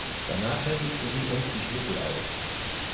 Danach händigte sie uns die Schlüssel aus.